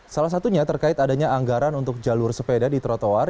salah satunya terkait adanya anggaran untuk jalur sepeda di trotoar